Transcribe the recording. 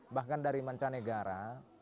bahkan dari mancanegara